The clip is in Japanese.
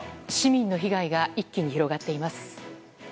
市民の被害が一気に広がっています。